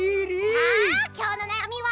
さあきょうのなやみは。